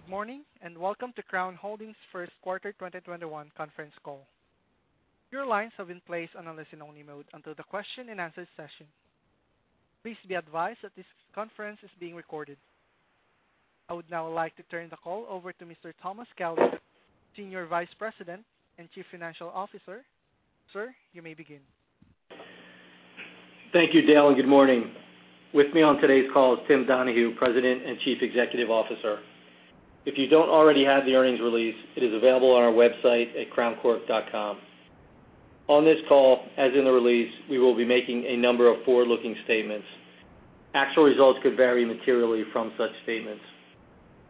Good morning, welcome to Crown Holdings' First Quarter 2021 Conference Call. Your lines have been placed on a listen-only mode until the question-and-answer session. Please be advised that this conference is being recorded. I would now like to turn the call over to Mr. Thomas Kelly, Senior Vice President and Chief Financial Officer. Sir, you may begin. Thank you, Dale, and good morning. With me on today's call is Tim Donahue, President and Chief Executive Officer. If you don't already have the earnings release, it is available on our website at crowncork.com. On this call, as in the release, we will be making a number of forward-looking statements. Actual results could vary materially from such statements.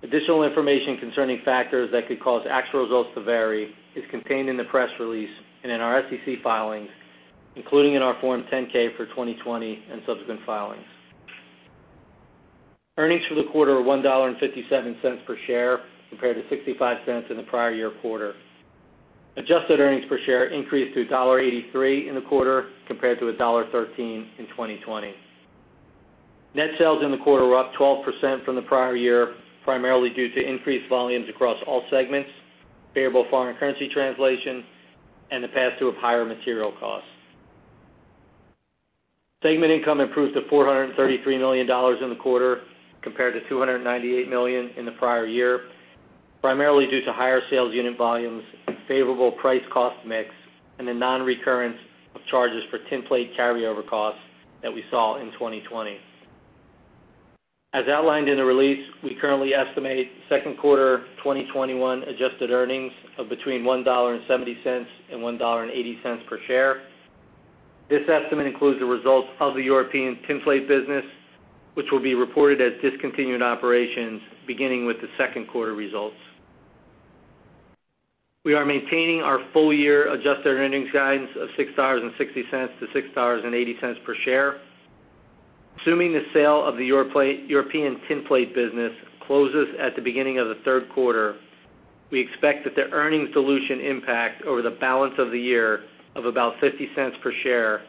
Additional information concerning factors that could cause actual results to vary is contained in the press release and in our SEC filings, including in our Form 10-K for 2020 and subsequent filings. Earnings for the quarter are $1.57 per share compared to $0.65 in the prior year quarter. Adjusted earnings per share increased to $1.83 in the quarter compared to $1.13 in 2020. Net sales in the quarter were up 12% from the prior year, primarily due to increased volumes across all segments, favorable foreign currency translation, and the pass-through of higher material costs. Segment income improved to $433 million in the quarter, compared to $298 million in the prior year, primarily due to higher sales unit volumes, favorable price-cost mix, and the non-recurrence of charges for tinplate carryover costs that we saw in 2020. As outlined in the release, we currently estimate second quarter 2021 adjusted earnings of between $1.70 and $1.80 per share. This estimate includes the results of the European tinplate business, which will be reported as discontinued operations beginning with the second quarter results. We are maintaining our full-year adjusted earnings guidance of $6.60-$6.80 per share. Assuming the sale of the European tinplate business closes at the beginning of the third quarter, we expect that the earnings dilution impact over the balance of the year of about $0.50 per share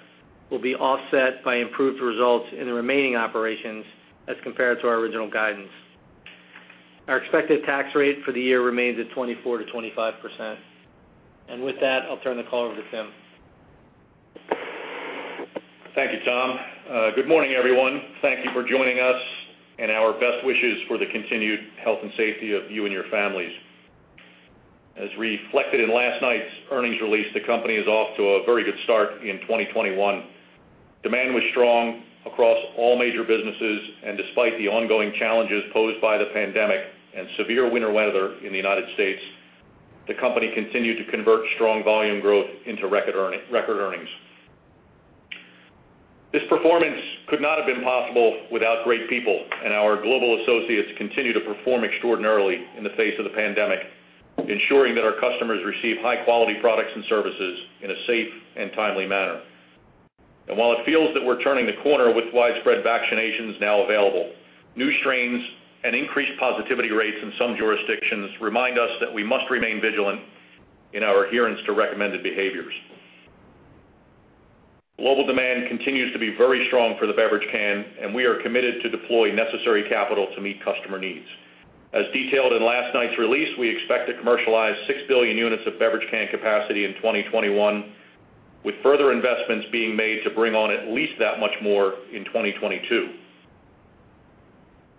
will be offset by improved results in the remaining operations as compared to our original guidance. Our expected tax rate for the year remains at 24%-25%. With that, I'll turn the call over to Tim. Thank you, Tom. Good morning, everyone. Thank you for joining us, and our best wishes for the continued health and safety of you and your families. As reflected in last night's earnings release, the company is off to a very good start in 2021. Demand was strong across all major businesses, and despite the ongoing challenges posed by the pandemic and severe winter weather in the United States, the company continued to convert strong volume growth into record earnings. This performance could not have been possible without great people, and our global associates continue to perform extraordinarily in the face of the pandemic, ensuring that our customers receive high-quality products and services in a safe and timely manner. While it feels that we're turning the corner with widespread vaccinations now available, new strains and increased positivity rates in some jurisdictions remind us that we must remain vigilant in our adherence to recommended behaviors. Global demand continues to be very strong for the beverage can, and we are committed to deploy necessary capital to meet customer needs. As detailed in last night's release, we expect to commercialize 6 billion units of beverage can capacity in 2021, with further investments being made to bring on at least that much more in 2022.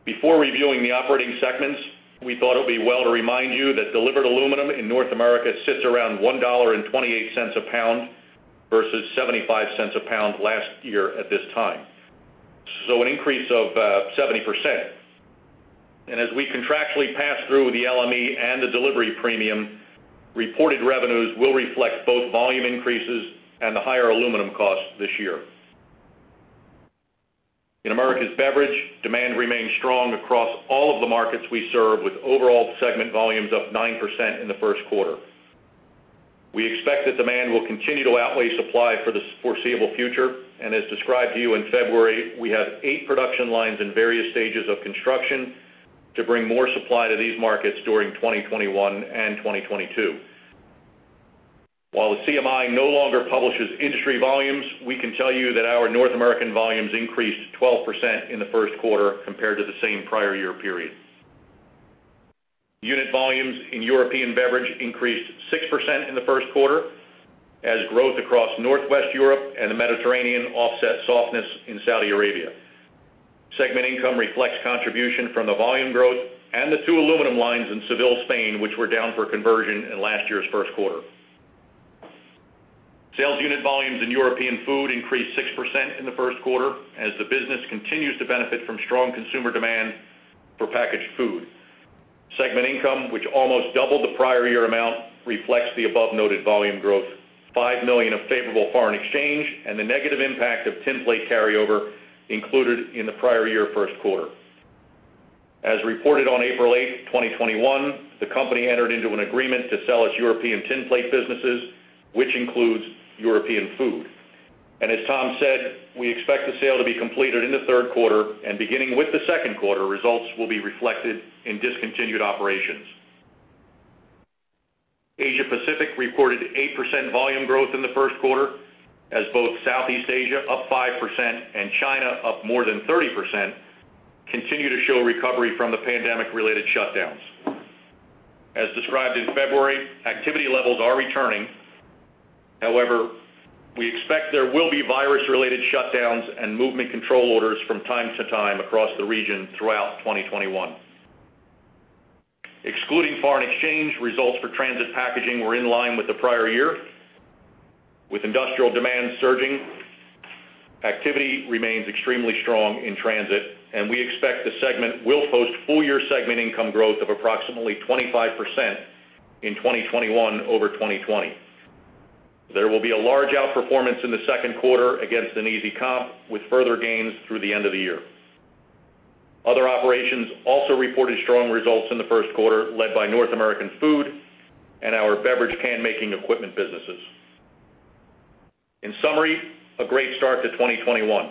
Before reviewing the operating segments, we thought it would be well to remind you that delivered aluminum in North America sits around $1.28 a pound versus $0.75 a pound last year at this time. An increase of 70%. As we contractually pass through the LME and the delivery premium, reported revenues will reflect both volume increases and the higher aluminum costs this year. In Americas Beverage, demand remains strong across all of the markets we serve, with overall segment volumes up 9% in the first quarter. We expect that demand will continue to outweigh supply for the foreseeable future. As described to you in February, we have eight production lines in various stages of construction to bring more supply to these markets during 2021 and 2022. While the CMI no longer publishes industry volumes, we can tell you that our North American volumes increased 12% in the first quarter compared to the same prior year period. Unit volumes in European Beverage increased 6% in the first quarter, as growth across Northwest Europe and the Mediterranean offset softness in Saudi Arabia. Segment income reflects contribution from the volume growth and the two aluminum lines in Seville, Spain, which were down for conversion in last year's first quarter. Sales unit volumes in European Food increased 6% in the first quarter as the business continues to benefit from strong consumer demand for packaged food. Segment income, which almost doubled the prior year amount, reflects the above-noted volume growth, $5 million of favorable foreign exchange, and the negative impact of tinplate carryover included in the prior year first quarter. As reported on April 8th, 2021, the company entered into an agreement to sell its European tinplate businesses, which includes European Food. As Tom said, we expect the sale to be completed in the third quarter, and beginning with the second quarter, results will be reflected in discontinued operations. Asia Pacific reported 8% volume growth in the first quarter as both Southeast Asia, up 5%, and China, up more than 30%, continue to show recovery from the pandemic-related shutdowns. As described in February, activity levels are returning. However, we expect there will be virus-related shutdowns and movement control orders from time to time across the region throughout 2021. Excluding foreign exchange, results for transit packaging were in line with the prior year. With industrial demand surging, activity remains extremely strong in transit, and we expect the segment will post full-year segment income growth of approximately 25% in 2021 over 2020. There will be a large outperformance in the second quarter against an easy comp with further gains through the end of the year. Other operations also reported strong results in the first quarter, led by North American Food and our beverage can-making equipment businesses. In summary, a great start to 2021.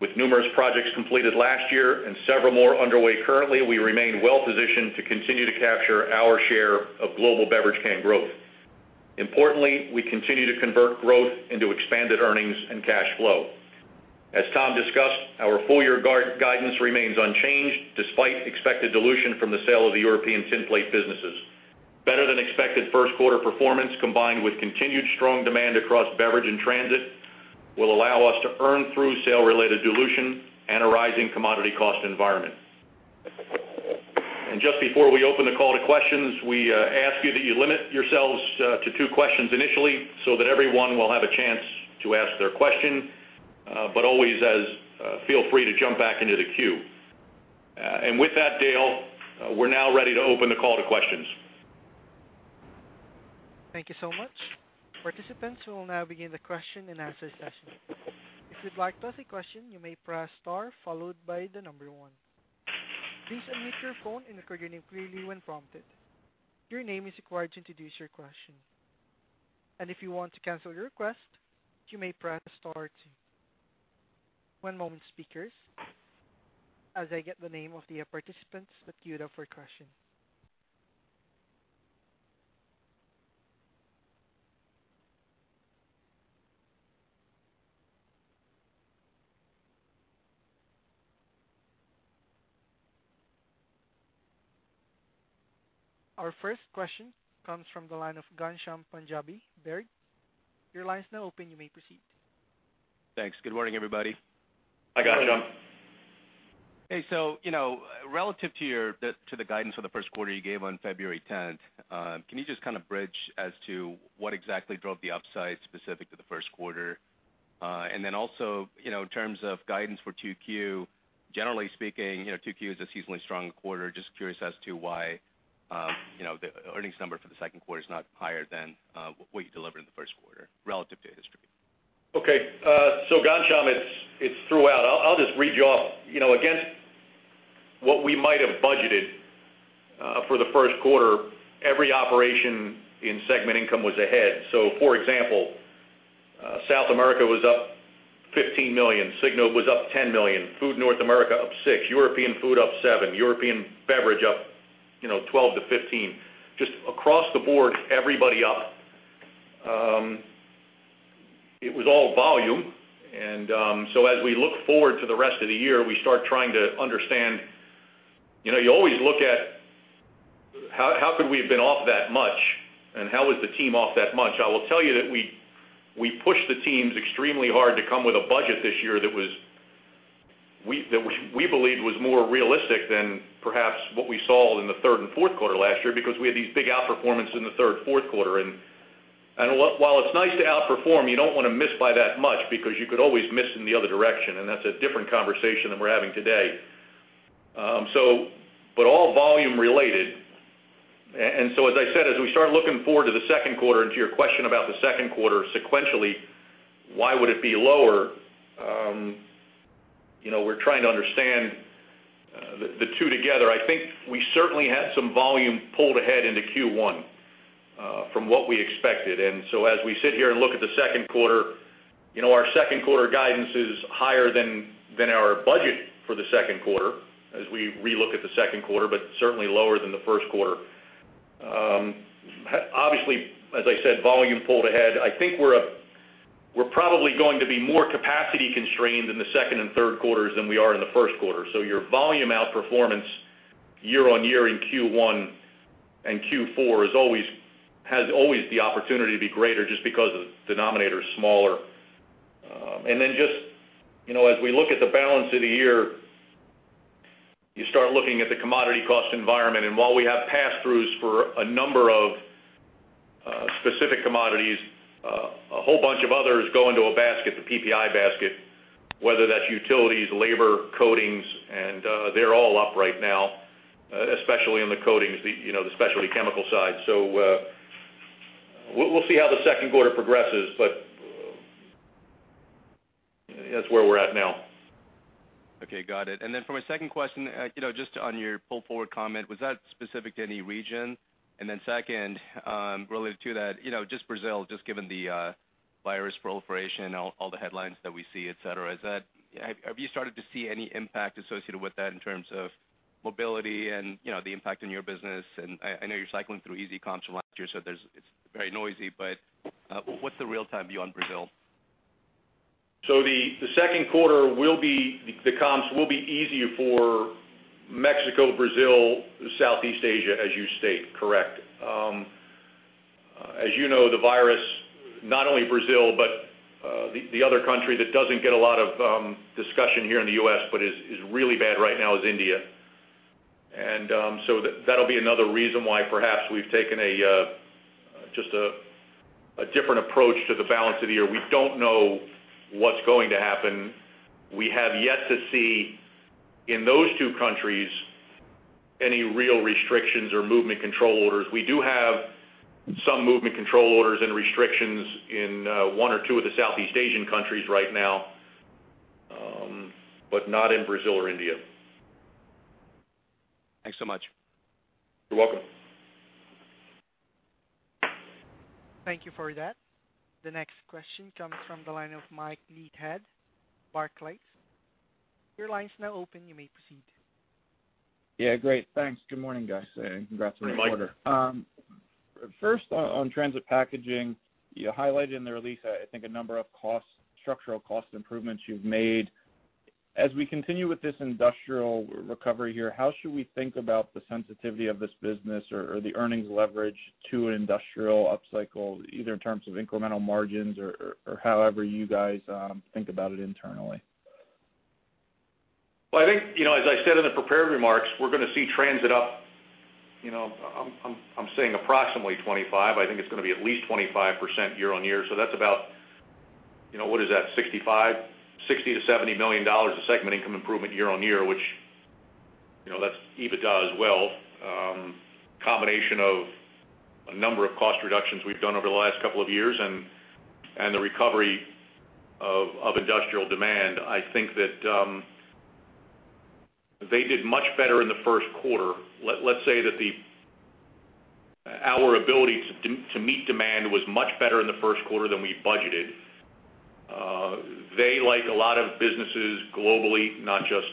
With numerous projects completed last year and several more underway currently, we remain well-positioned to continue to capture our share of global beverage can growth. Importantly, we continue to convert growth into expanded earnings and cash flow. As Tom discussed, our full-year guidance remains unchanged despite expected dilution from the sale of the European tinplate businesses. Better-than-expected first quarter performance, combined with continued strong demand across beverage and transit, will allow us to earn through sale-related dilution and a rising commodity cost environment. Just before we open the call to questions, we ask you that you limit yourselves to two questions initially so that everyone will have a chance to ask their question. Always, feel free to jump back into the queue. With that, Dale, we're now ready to open the call to questions. Thank you so much. Participants, we will now begin the question-and-answer session. If you'd like to ask a question, you may press star followed by the number one. Please unmute your phone and record your name clearly when prompted. Your name is required to introduce your question. If you want to cancel your request, you may press star two. One moment, speakers, as I get the name of the participants that queued up for a question. Our first question comes from the line of Ghansham Panjabi, Baird. Your line is now open. You may proceed. Thanks. Good morning, everybody. Hi, Ghansham. Hey. Relative to the guidance for the first quarter you gave on February 10th, can you just kind of bridge as to what exactly drove the upside specific to the first quarter? In terms of guidance for 2Q, generally speaking, 2Q is a seasonally strong quarter. Just curious as to why the earnings number for the second quarter is not higher than what you delivered in the first quarter relative to history. Okay. Ghansham, it's throughout. I'll just read you off. Against what we might have budgeted for the first quarter, every operation in segment income was ahead. For example, South America was up $15 million. Signode was up $10 million. Food North America up $6 million. European Food up $7 million. European Beverage up $12 million-$15 million. Just across the board, everybody up. It was all volume. As we look forward to the rest of the year, we start trying to understand. You always look at how could we have been off that much, how was the team off that much? I will tell you that we pushed the teams extremely hard to come with a budget this year that we believed was more realistic than perhaps what we saw in the third and fourth quarter last year because we had these big outperformance in the third and fourth quarter. While it's nice to outperform, you don't want to miss by that much because you could always miss in the other direction, and that's a different conversation than we're having today. All volume related. As I said, as we start looking forward to the second quarter and to your question about the second quarter sequentially, why would it be lower? We're trying to understand the two together. I think we certainly had some volume pulled ahead into Q1 from what we expected. As we sit here and look at the second quarter, our second quarter guidance is higher than our budget for the second quarter as we re-look at the second quarter, but certainly lower than the first quarter. Obviously, as I said, volume pulled ahead. I think we're probably going to be more capacity constrained in the second and third quarters than we are in the first quarter. Your volume outperformance year-on-year in Q1 and Q4 has always the opportunity to be greater just because the denominator is smaller. Then just as we look at the balance of the year, you start looking at the commodity cost environment. While we have pass-throughs for a number of specific commodities, a whole bunch of others go into a basket, the PPI basket, whether that's utilities, labor, coatings, and they're all up right now, especially in the coatings, the specialty chemical side. We'll see how the second quarter progresses, but that's where we're at now. Okay. Got it. For my second question, just on your pull forward comment, was that specific to any region? Second, related to that, just Brazil, just given the virus proliferation, all the headlines that we see, et cetera. Have you started to see any impact associated with that in terms of mobility and the impact on your business? I know you're cycling through easy comps from last year, so it's very noisy, but what's the real time view on Brazil? The second quarter, the comps will be easier for Mexico, Brazil, Southeast Asia, as you state. Correct. As you know, the virus, not only Brazil, but the other country that doesn't get a lot of discussion here in the U.S. but is really bad right now is India. That'll be another reason why perhaps we've taken just a different approach to the balance of the year. We don't know what's going to happen. We have yet to see, in those two countries, any real restrictions or movement control orders. We do have some movement control orders and restrictions in one or two of the Southeast Asian countries right now. Not in Brazil or India. Thanks so much. You're welcome. Thank you for that. The next question comes from the line of Mike Leithead, Barclays. Your line is now open. You may proceed. Yeah, great. Thanks. Good morning, guys, and congrats on the quarter. Mike. First, on transit packaging, you highlighted in the release, I think a number of structural cost improvements you've made. As we continue with this industrial recovery here, how should we think about the sensitivity of this business or the earnings leverage to an industrial upcycle, either in terms of incremental margins or however you guys think about it internally? Well, I think, as I said in the prepared remarks, we're going to see transit up, I'm saying approximately 25%. I think it's going to be at least 25% year-on-year. That's about, what is that, $65 million, $60 million-$70 million of segment income improvement year-on-year, which, that's EBITDA as well. Combination of a number of cost reductions we've done over the last couple of years and the recovery of industrial demand. I think that they did much better in the first quarter. Let's say that our ability to meet demand was much better in the first quarter than we budgeted. They, like a lot of businesses globally, not just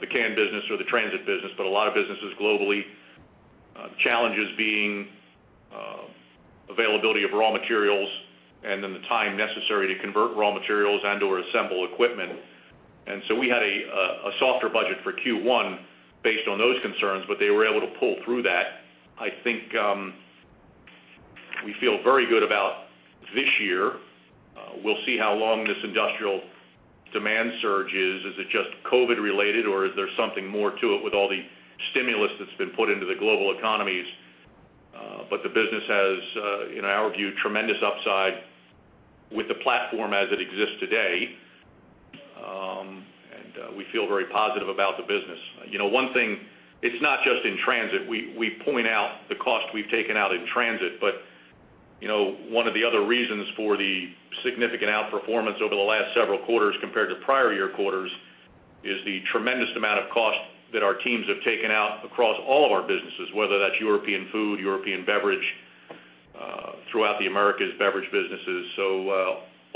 the can business or the transit business, but a lot of businesses globally, challenges being availability of raw materials and then the time necessary to convert raw materials and/or assemble equipment. We had a softer budget for Q1 based on those concerns, but they were able to pull through that. I think we feel very good about this year. We'll see how long this industrial demand surge is. Is it just COVID related, or is there something more to it with all the stimulus that's been put into the global economies? The business has, in our view, tremendous upside with the platform as it exists today. We feel very positive about the business. One thing, it's not just in transit. We point out the cost we've taken out in transit. One of the other reasons for the significant outperformance over the last several quarters compared to prior year quarters is the tremendous amount of cost that our teams have taken out across all of our businesses, whether that's European Food, European Beverage, throughout the Americas Beverage businesses.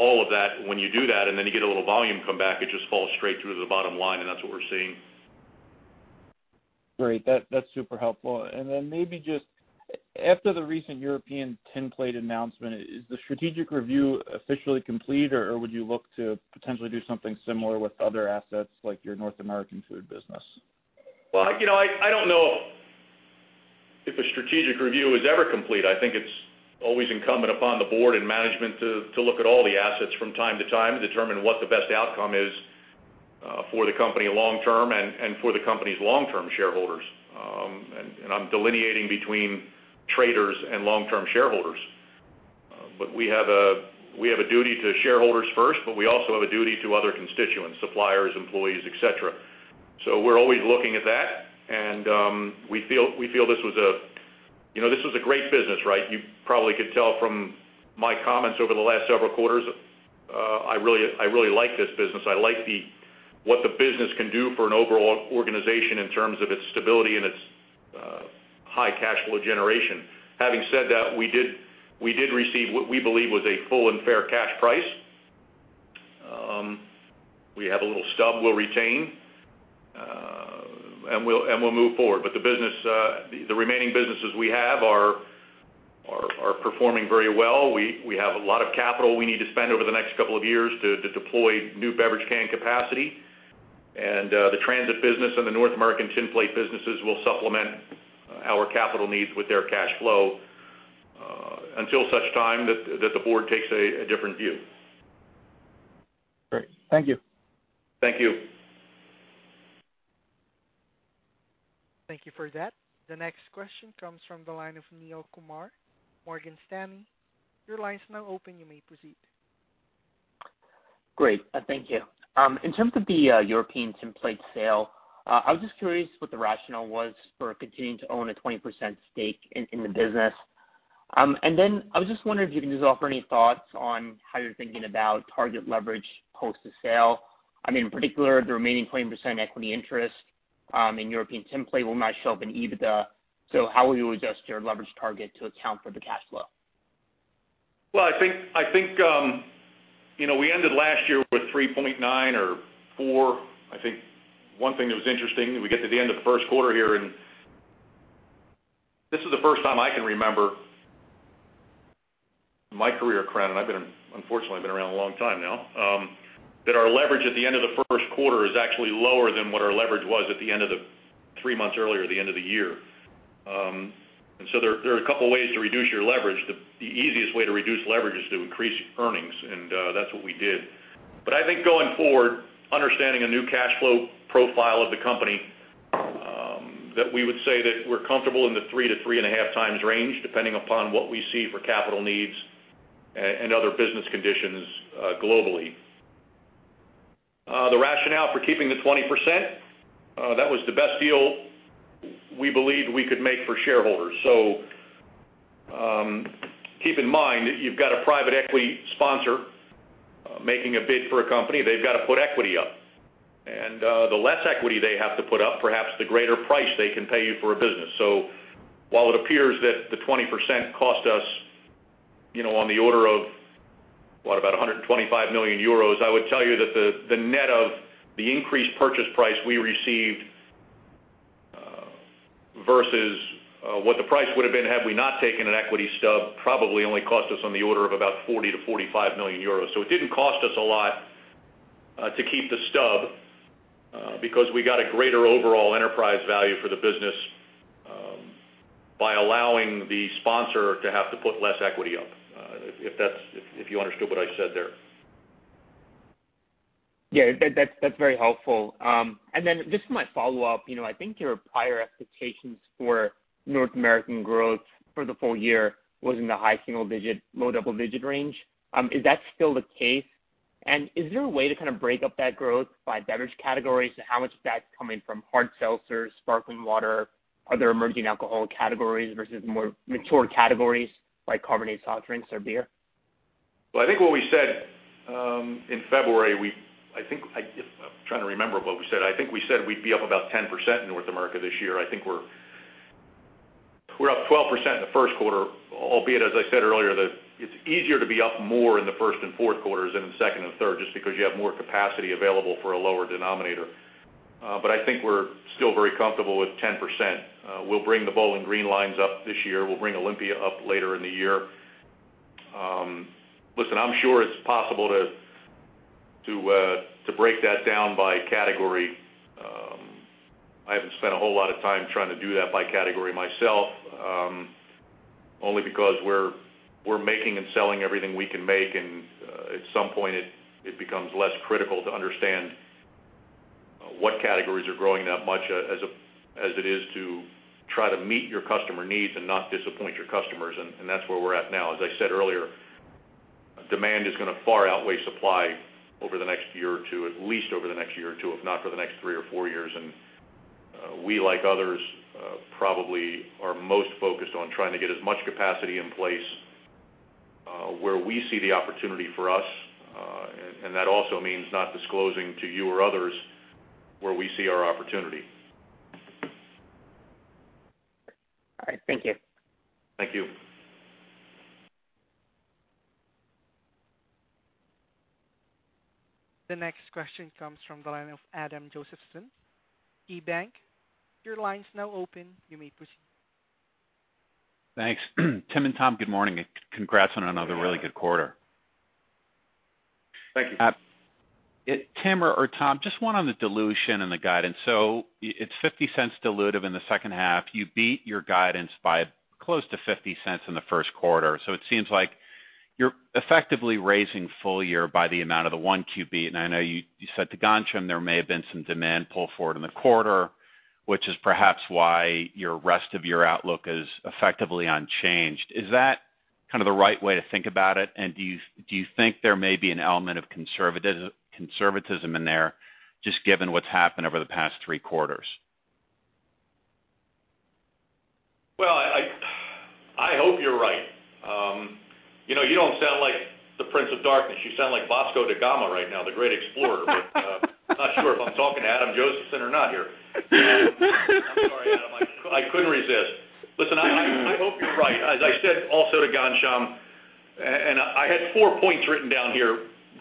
All of that, when you do that and then you get a little volume come back, it just falls straight through to the bottom line, and that's what we're seeing. Great. That's super helpful. Maybe just after the recent European tinplate announcement, is the strategic review officially complete, or would you look to potentially do something similar with other assets like your North American Food business? Well, I don't know if a strategic review is ever complete. I think it's always incumbent upon the board and management to look at all the assets from time to time to determine what the best outcome is for the company long term and for the company's long-term shareholders. I'm delineating between traders and long-term shareholders. We have a duty to shareholders first, but we also have a duty to other constituents, suppliers, employees, et cetera. We're always looking at that, and we feel this was a great business, right? You probably could tell from my comments over the last several quarters, I really like this business. I like what the business can do for an overall organization in terms of its stability and its high cash flow generation. Having said that, we did receive what we believe was a full and fair cash price. We have a little stub we'll retain. We'll move forward. The remaining businesses we have are performing very well. We have a lot of capital we need to spend over the next couple of years to deploy new beverage can capacity. The Transit business and the North American tinplate businesses will supplement our capital needs with their cash flow until such time that the board takes a different view. Great. Thank you. Thank you. Thank you for that. The next question comes from the line of Neel Kumar, Morgan Stanley. Your line is now open. You may proceed. Great. Thank you. In terms of the European tinplate sale, I was just curious what the rationale was for continuing to own a 20% stake in the business. I was just wondering if you can just offer any thoughts on how you're thinking about target leverage post the sale. In particular, the remaining 20% equity interest in European tinplate will not show up in EBITDA. How will you adjust your leverage target to account for the cash flow? Well, I think we ended last year with 3.9x or 4x. I think one thing that was interesting, we get to the end of the first quarter here, and this is the first time I can remember in my career at Crown, and I've unfortunately been around a long time now, that our leverage at the end of the first quarter is actually lower than what our leverage was at the end of the three months earlier at the end of the year. There are a couple ways to reduce your leverage. The easiest way to reduce leverage is to increase earnings. That's what we did. I think going forward, understanding a new cash flow profile of the company, that we would say that we're comfortable in the 3x-3.5x range, depending upon what we see for capital needs and other business conditions globally. The rationale for keeping the 20%, that was the best deal we believed we could make for shareholders. Keep in mind that you've got a private equity sponsor making a bid for a company. They've got to put equity up. The less equity they have to put up, perhaps the greater price they can pay you for a business. While it appears that the 20% cost us on the order of, what, about 125 million euros, I would tell you that the net of the increased purchase price we received, versus what the price would've been had we not taken an equity stub, probably only cost us on the order of about 40 million-45 million euros. It didn't cost us a lot to keep the stub, because we got a greater overall enterprise value for the business by allowing the sponsor to have to put less equity up, if you understood what I said there. Yeah, that's very helpful. Just my follow-up, I think your prior expectations for North American growth for the full year was in the high single digit, low double digit range. Is that still the case? Is there a way to kind of break up that growth by beverage categories? How much of that's coming from hard seltzers, sparkling water, other emerging alcohol categories versus more mature categories like carbonated soft drinks or beer? I think what we said in February, I'm trying to remember what we said. I think we said we'd be up about 10% in North America this year. I think we're up 12% in the first quarter, albeit, as I said earlier, that it's easier to be up more in the first and fourth quarters than the second and third, just because you have more capacity available for a lower denominator. I think we're still very comfortable with 10%. We'll bring the Bowling Green lines up this year. We'll bring Olympia up later in the year. Listen, I'm sure it's possible to break that down by category. I haven't spent a whole lot of time trying to do that by category myself, only because we're making and selling everything we can make, and at some point, it becomes less critical to understand what categories are growing that much as it is to try to meet your customer needs and not disappoint your customers. That's where we're at now. As I said earlier, demand is going to far outweigh supply over the next year or two, at least over the next year or two, if not for the next three or four years. We, like others, probably are most focused on trying to get as much capacity in place where we see the opportunity for us. That also means not disclosing to you or others where we see our opportunity. All right. Thank you. Thank you. The next question comes from the line of Adam Josephson, KeyBank. Your line's now open. You may proceed. Thanks. Tim and Tom, good morning. Congrats on another really good quarter. Thank you. Tim or Tom, one on the dilution and the guidance. It's $0.50 dilutive in the second half. You beat your guidance by close to $0.50 in the first quarter. It seems like you're effectively raising full year by the amount of the 1QB. I know you said to Ghansham there may have been some demand pull forward in the quarter, which is perhaps why your rest of year outlook is effectively unchanged. Is that kind of the right way to think about it? Do you think there may be an element of conservatism in there just given what's happened over the past three quarters? Well, I hope you're right. You don't sound like the Prince of Darkness. You sound like Vasco da Gama right now, the great explorer. I'm not sure if I'm talking to Adam Josephson or not here. I'm sorry, Adam, I couldn't resist. Listen, I hope you're right. As I said also to Ghansham, I had four points written down here.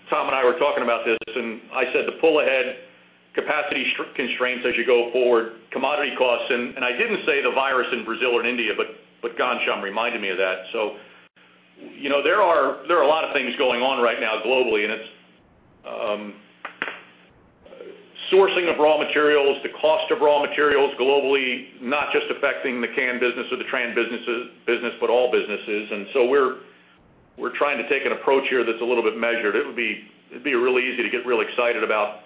Tom and I were talking about this, I said the pull-ahead capacity constraints as you go forward, commodity costs, I didn't say the virus in Brazil and India, but Ghansham reminded me of that. There are a lot of things going on right now globally, it's sourcing of raw materials, the cost of raw materials globally, not just affecting the can business or the transit packaging business, but all businesses. We're trying to take an approach here that's a little bit measured. It'd be real easy to get real excited about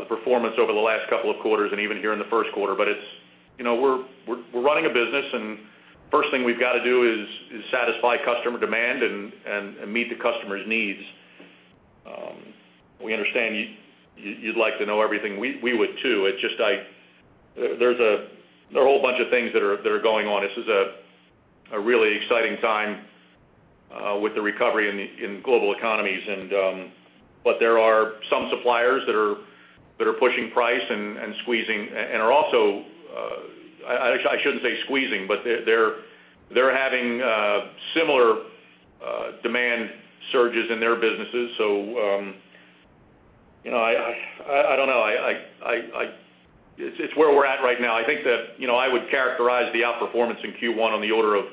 the performance over the last couple of quarters and even here in the first quarter. We're running a business, and first thing we've got to do is satisfy customer demand and meet the customer's needs. We understand you'd like to know everything. We would too. There are a whole bunch of things that are going on. This is a really exciting time with the recovery in global economies. There are some suppliers that are pushing price and squeezing, I shouldn't say squeezing, but they're having similar demand surges in their businesses. I don't know. It's where we're at right now. I think that I would characterize the outperformance in Q1 on the order of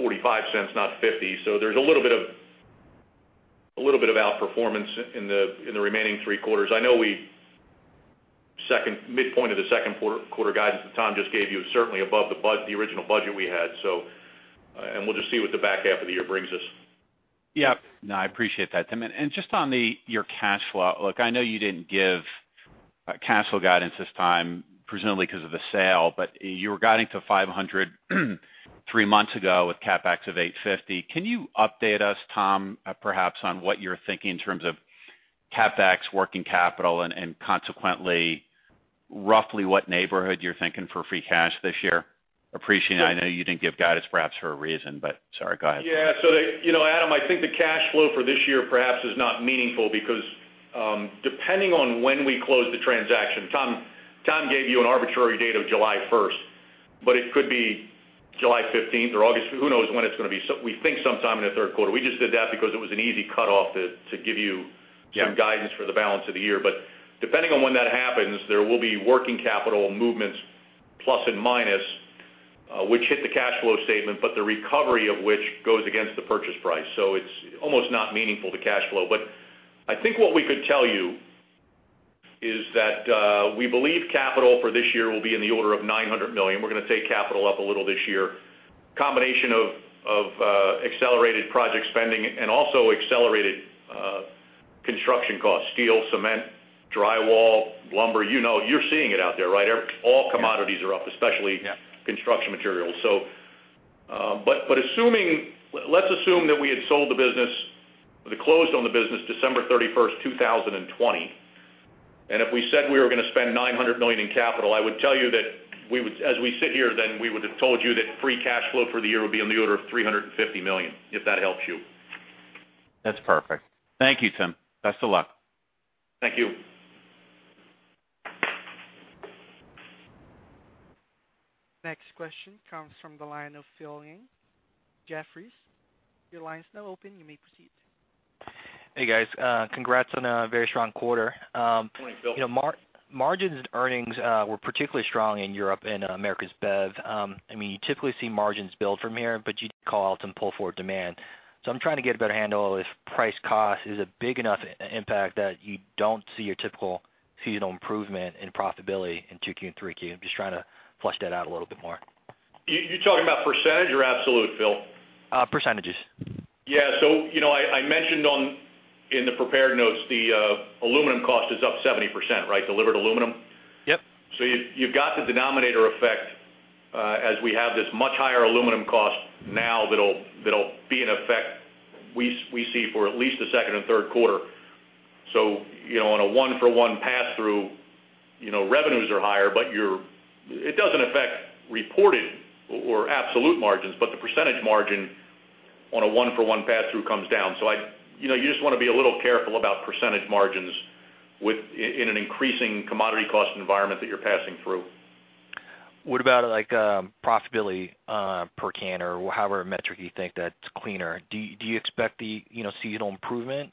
$0.40-$0.45, not $0.50. There's a little bit of outperformance in the remaining three quarters. I know second midpoint of the second quarter guidance that Tom just gave you is certainly above the original budget we had, and we'll just see what the back half of the year brings us. Yeah. No, I appreciate that, Tim. Just on your cash flow. Look, I know you didn't give cash flow guidance this time, presumably because of the sale, but you were guiding to $500 million three months ago with CapEx of $850 million. Can you update us, Tom, perhaps on what you're thinking in terms of CapEx, working capital, and consequently, roughly what neighborhood you're thinking for free cash this year? Appreciate it. I know you didn't give guidance, perhaps for a reason. Sorry, go ahead. Adam, I think the cash flow for this year perhaps is not meaningful because, depending on when we close the transaction, Tom gave you an arbitrary date of July 1st, but it could be July 15th or August, who knows when it's going to be. We think sometime in the third quarter. We just did that because it was an easy cutoff. Yeah. some guidance for the balance of the year. Depending on when that happens, there will be working capital movements, plus and minus, which hit the cash flow statement, but the recovery of which goes against the purchase price. It's almost not meaningful to cash flow. I think what we could tell you is that we believe capital for this year will be in the order of $900 million. We're going to take capital up a little this year. Combination of accelerated project spending and also accelerated construction costs, steel, cement, drywall, lumber, you know. You're seeing it out there, right? All commodities are up, especially. Yeah. construction materials. Let's assume that we had sold the business or closed on the business December 31st, 2020. If we said we were going to spend $900 million in capital, I would tell you that as we sit here, then we would have told you that free cash flow for the year would be in the order of $350 million, if that helps you. That's perfect. Thank you, Tim. Best of luck. Thank you. Next question comes from the line of Phil Ng, Jefferies. Your line is now open, you may proceed. Hey, guys. Congrats on a very strong quarter. Morning, Phil. Margins and earnings were particularly strong in Europe and Americas Bev. You typically see margins build from here, but you did call out some pull-forward demand. I'm trying to get a better handle if price cost is a big enough impact that you don't see your typical seasonal improvement in profitability in 2Q and 3Q. I'm just trying to flush that out a little bit more. You talking about percentage or absolute, Phil? Percentages. Yeah. I mentioned in the prepared notes, the aluminum cost is up 70%, delivered aluminum. Yep. You've got the denominator effect, as we have this much higher aluminum cost now that'll be in effect, we see for at least the second and third quarter. On a one-for-one pass through, revenues are higher, it doesn't affect reported or absolute margins, but the percentage margin on a one-for-one pass through comes down. You just want to be a little careful about percentage margins in an increasing commodity cost environment that you're passing through. What about profitability per can or however metric you think that's cleaner? Do you expect the seasonal improvement?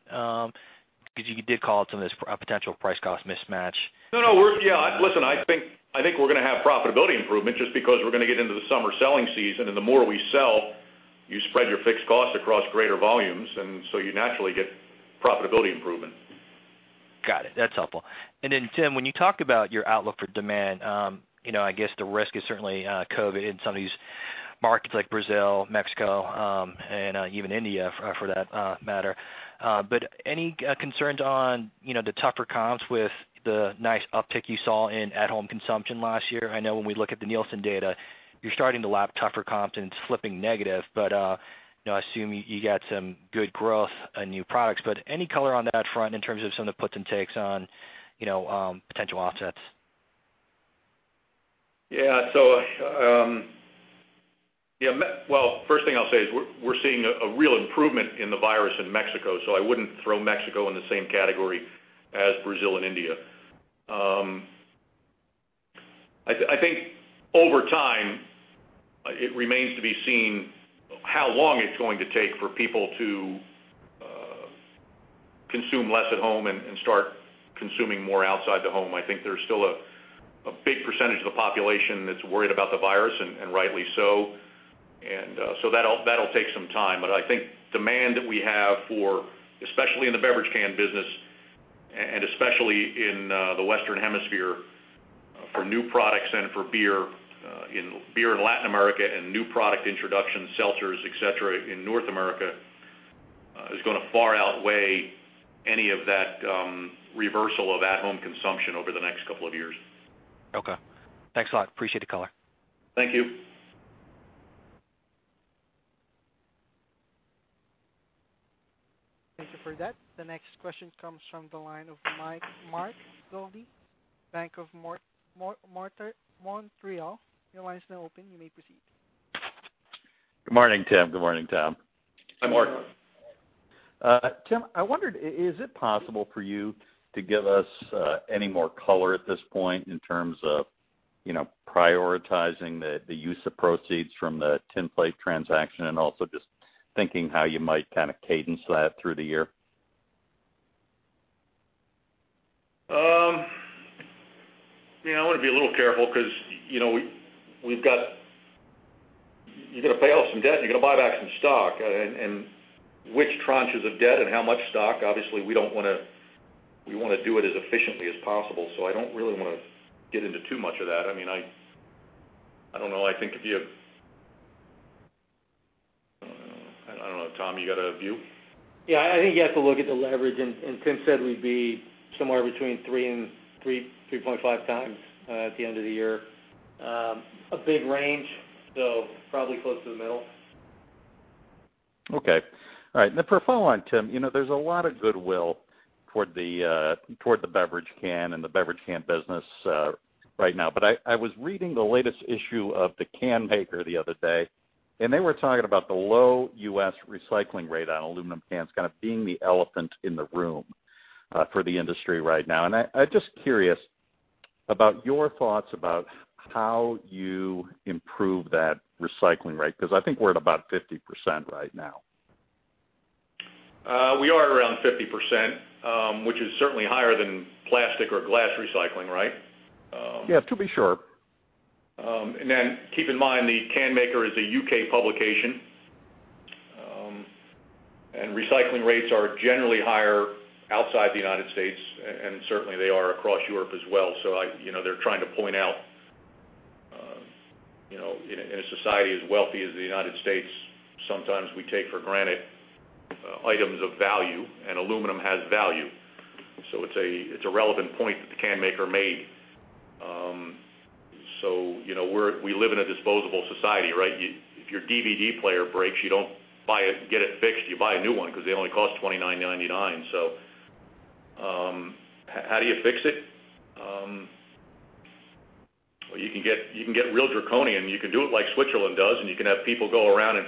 You did call out some of this potential price cost mismatch. No. Listen, I think we're going to have profitability improvement just because we're going to get into the summer selling season. The more we sell, you spread your fixed costs across greater volumes. You naturally get profitability improvement. Got it. That's helpful. Then Tim, when you talk about your outlook for demand, I guess the risk is certainly COVID in some of these markets like Brazil, Mexico, and even India, for that matter. Any concerns on the tougher comps with the nice uptick you saw in at-home consumption last year? I know when we look at the Nielsen data, you're starting to lap tougher comps and it's flipping negative. I assume you got some good growth on new products, but any color on that front in terms of some of the puts and takes on potential offsets? Yeah. Well, first thing I'll say is we're seeing a real improvement in the virus in Mexico, so I wouldn't throw Mexico in the same category as Brazil and India. I think over time, it remains to be seen how long it's going to take for people to consume less at home and start consuming more outside the home. I think there's still a big percentage of the population that's worried about the virus, and rightly so. That'll take some time. I think demand that we have for, especially in the beverage can business, and especially in the Western Hemisphere for new products and for beer in Latin America and new product introductions, seltzers, et cetera, in North America, is going to far outweigh any of that reversal of at-home consumption over the next couple of years. Okay. Thanks a lot. Appreciate the color. Thank you. Thank you for that. The next question comes from the line of Mark Wilde, Bank of Montreal. Your line is now open. You may proceed. Good morning, Tim. Good morning, Tom. Hi, Mark. Tim, I wondered, is it possible for you to give us any more color at this point in terms of prioritizing the use of proceeds from the tinplate transaction and also just thinking how you might kind of cadence that through the year? I want to be a little careful because you're going to pay off some debt, and you're going to buy back some stock, and which tranches of debt and how much stock? Obviously, we want to do it as efficiently as possible. I don't really want to get into too much of that. I don't know. I don't know, Tom, you got a view? Yeah, I think you have to look at the leverage, and Tim said we'd be somewhere between 3x and 3.5x at the end of the year. A big range, so probably close to the middle. Okay. All right. For a follow-on, Tim, there's a lot of goodwill toward the beverage can and the beverage can business right now. I was reading the latest issue of The Canmaker the other day, they were talking about the low U.S. recycling rate on aluminum cans kind of being the elephant in the room for the industry right now. I'm just curious about your thoughts about how you improve that recycling rate, because I think we're at about 50% right now. We are around 50%, which is certainly higher than plastic or glass recycling, right? Yeah, to be sure. Keep in mind, The Canmaker is a U.K. publication, and recycling rates are generally higher outside the U.S., and certainly they are across Europe as well. They're trying to point out, in a society as wealthy as the U.S., sometimes we take for granted items of value, and aluminum has value. It's a relevant point that The Canmaker made. We live in a disposable society, right? If your DVD player breaks, you don't get it fixed, you buy a new one because they only cost $29.99. How do you fix it? Well, you can get real draconian. You can do it like Switzerland does, and you can have people go around and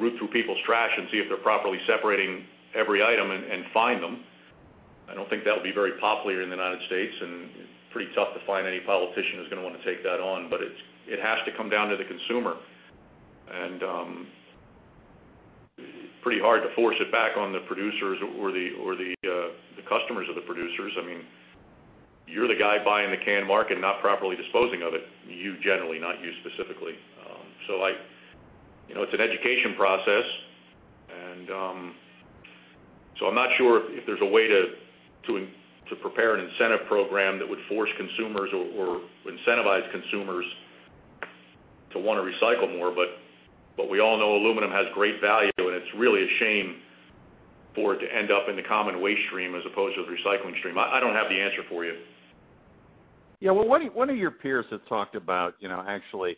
root through people's trash and see if they're properly separating every item and fine them. I don't think that'll be very popular in the United States, and pretty tough to find any politician who's going to want to take that on. It has to come down to the consumer. Pretty hard to force it back on the producers or the customers of the producers. You're the guy buying the can, Mark, and not properly disposing of it. You generally, not you specifically. It's an education process, and so I'm not sure if there's a way to prepare an incentive program that would force consumers or incentivize consumers to want to recycle more. We all know aluminum has great value, and it's really a shame for it to end up in the common waste stream as opposed to the recycling stream. I don't have the answer for you. Yeah. Well, one of your peers had talked about actually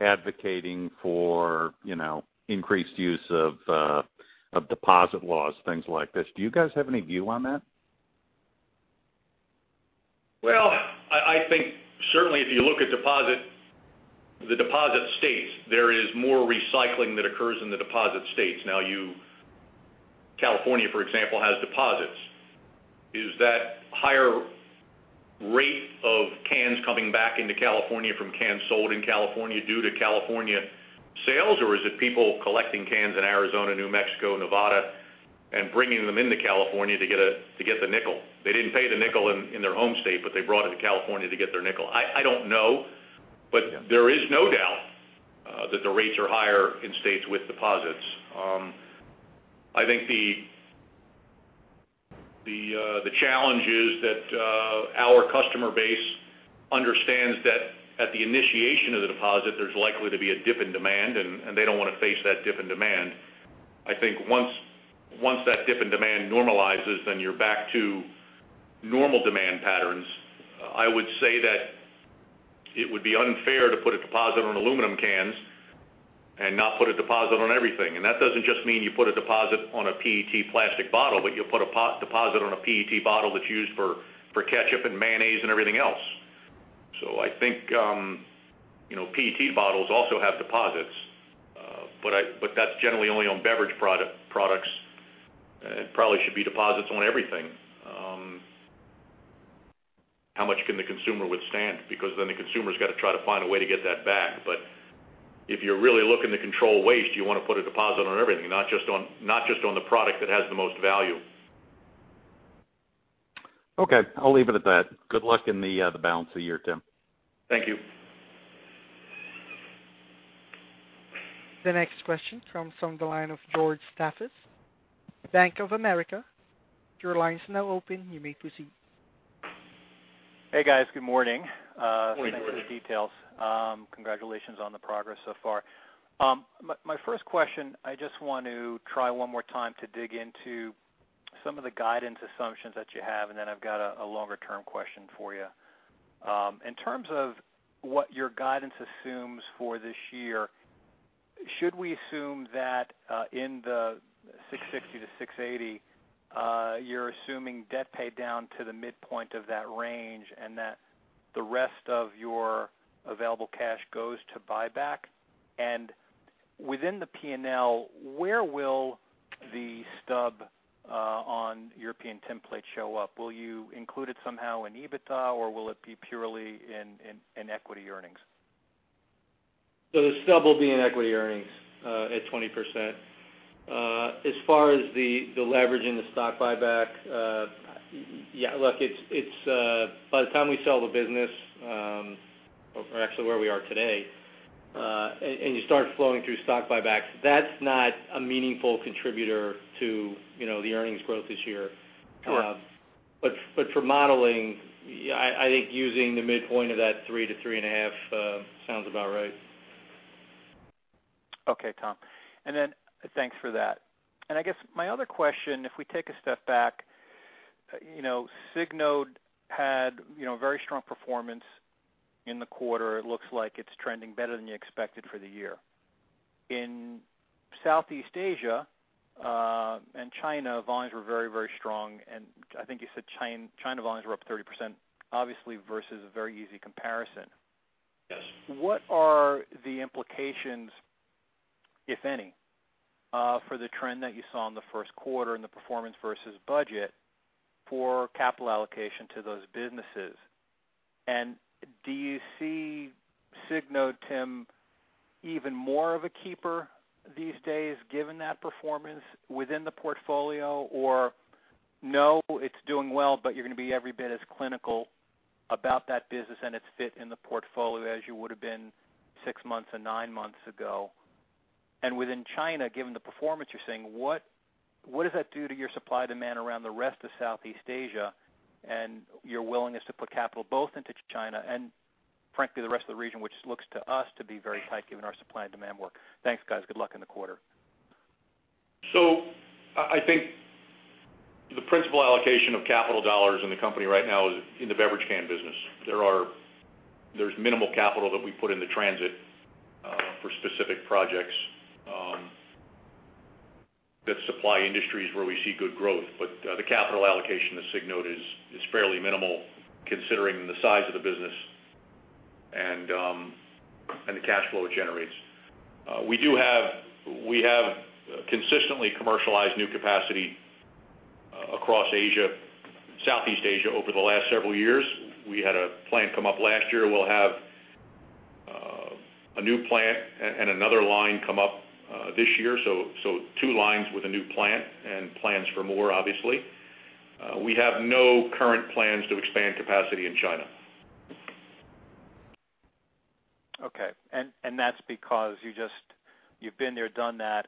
advocating for increased use of deposit laws, things like this. Do you guys have any view on that? I think certainly if you look at the deposit states, there is more recycling that occurs in the deposit states. California, for example, has deposits. Is that higher rate of cans coming back into California from cans sold in California due to California sales, or is it people collecting cans in Arizona, New Mexico, Nevada, and bringing them into California to get the $0.05? They didn't pay the $0.05 in their home state, but they brought it to California to get their $0.05. I don't know. There is no doubt that the rates are higher in states with deposits. I think the challenge is that our customer base understands that at the initiation of the deposit, there's likely to be a dip in demand, and they don't want to face that dip in demand. I think once that dip in demand normalizes, then you're back to normal demand patterns. I would say that it would be unfair to put a deposit on aluminum cans and not put a deposit on everything. That doesn't just mean you put a deposit on a PET plastic bottle, but you put a deposit on a PET bottle that's used for ketchup and mayonnaise and everything else. I think PET bottles also have deposits, but that's generally only on beverage products. It probably should be deposits on everything. How much can the consumer withstand? The consumer's got to try to find a way to get that back. If you're really looking to control waste, you want to put a deposit on everything, not just on the product that has the most value. Okay, I'll leave it at that. Good luck in the balance of the year, Tim. Thank you. The next question comes from the line of George Staphos, Bank of America. Your line is now open. You may proceed. Hey, guys. Good morning. Good morning. Thanks for the details. Congratulations on the progress so far. My first question, I just want to try one more time to dig into some of the guidance assumptions that you have. I've got a longer-term question for you. In terms of what your guidance assumes for this year, should we assume that in the $6.60-$6.80, you're assuming debt pay down to the midpoint of that range? That the rest of your available cash goes to buyback? Within the P&L, where will the stub on European Beverage show up? Will you include it somehow in EBITDA, or will it be purely in equity earnings? The stub will be in equity earnings at 20%. As far as the leverage in the stock buyback, look, by the time we sell the business, or actually where we are today, and you start flowing through stock buybacks, that is not a meaningful contributor to the earnings growth this year. Correct. For modeling, I think using the midpoint of that 3x-3.5x sounds about right. Okay, Tom. Thanks for that. I guess my other question, if we take a step back, Signode had very strong performance in the quarter. It looks like it's trending better than you expected for the year. In Southeast Asia and China, volumes were very strong, and I think you said China volumes were up 30%, obviously, versus a very easy comparison. Yes. What are the implications, if any, for the trend that you saw in the first quarter and the performance versus budget for capital allocation to those businesses? Do you see Signode, Tim, even more of a keeper these days given that performance within the portfolio? No, it's doing well, but you're going to be every bit as clinical about that business and its fit in the portfolio as you would've been six months or nine months ago? Within China, given the performance you're seeing, what does that do to your supply demand around the rest of Southeast Asia and your willingness to put capital both into China and frankly, the rest of the region, which looks to us to be very tight given our supply and demand work? Thanks, guys. Good luck in the quarter. I think the principal allocation of capital dollars in the company right now is in the beverage can business. There's minimal capital that we put into transit for specific projects that supply industries where we see good growth. The capital allocation to Signode is fairly minimal considering the size of the business and the cash flow it generates. We have consistently commercialized new capacity across Asia, Southeast Asia, over the last several years. We had a plant come up last year. We'll have a new plant and another line come up this year. Two lines with a new plant and plans for more, obviously. We have no current plans to expand capacity in China. Okay. That's because you've been there, done that.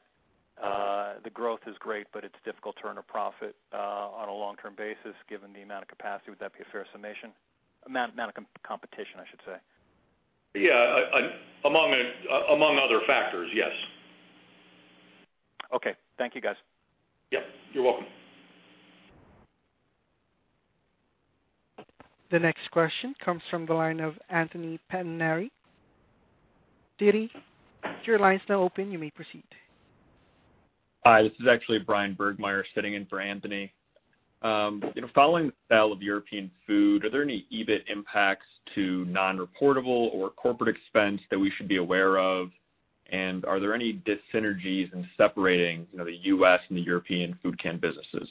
The growth is great, but it's difficult to earn a profit on a long-term basis given the amount of capacity. Would that be a fair summation? Amount of competition, I should say. Yeah. Among other factors, yes. Okay. Thank you, guys. Yeah. You're welcome. The next question comes from the line of Anthony Pettinari, Citi. Your line's now open. You may proceed. Hi, this is actually Bryan Burgmeier sitting in for Anthony. Following the sale of European Food, are there any EBIT impacts to non-reportable or corporate expense that we should be aware of? Are there any dis-synergies in separating the U.S. and the European food can businesses?